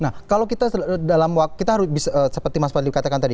nah kalau kita dalam waktu kita harus bisa seperti mas patli katakan tadi